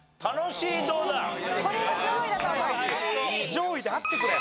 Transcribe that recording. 上位であってくれ。